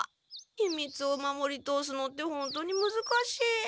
ひみつを守り通すのってほんとにむずかしい。